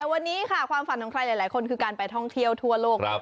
แต่วันนี้ค่ะความฝันของใครหลายคนคือการไปท่องเที่ยวทั่วโลก